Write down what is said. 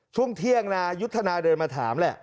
ช่วงเที่ยงนายุทธนาเดินมาถามแหละ